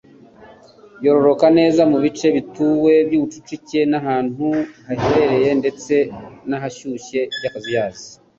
Yororoka neza mu bice bituwe mu buryo bw'ubucucike, ahantu hahehereye ndetse n'ahashushye by'akazuyazi.